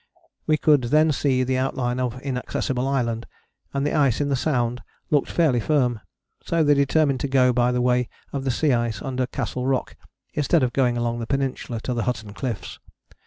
We could then see the outline of Inaccessible Island, and the ice in the Sound looked fairly firm. So they determined to go by the way of the sea ice under Castle Rock instead of going along the Peninsula to the Hutton Cliffs.